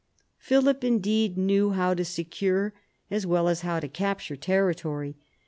Philip indeed knew how to secure as well as how to capture territory.